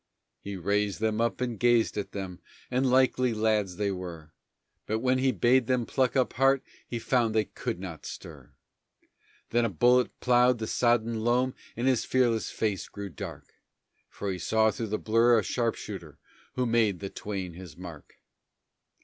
He raised him up and gazed at them, and likely lads they were, But when he bade them pluck up heart he found they could not stir. Then a bullet ploughed the sodden loam, and his fearless face grew dark, For he saw through the blur a sharpshooter who made the twain his mark.